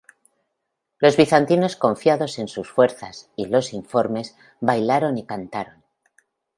Los bizantinos confiados en sus fuerzas, y los informes, bailaron y cantaron.